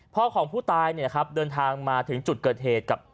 พ่อของผู้ตายเดินทางมาถึงจุดเกิดเหตุกับ